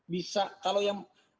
bisa kalau yang